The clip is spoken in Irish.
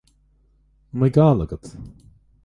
An mbeidh gal agat?